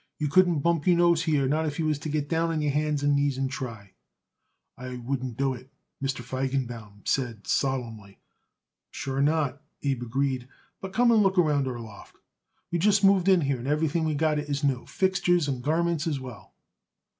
You couldn't bump your nose here, not if you was to get down on your hands and knees and try." "I wouldn't do it," Mr. Feigenbaum said solemnly. "Sure not," Abe agreed. "But come and look around our loft. We just moved in here, and everything we got it is new fixtures and garments as well."